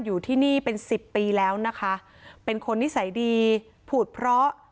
อยู่ที่นี่เป็นสิบปีแล้วนะคะเป็นคนนิสัยดีผูดเพราะ